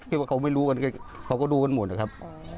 ว่าเขาไม่รู้กันเขาก็ดูกันหมดนะครับ